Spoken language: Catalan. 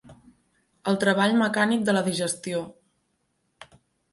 El treball mecànic de la digestió.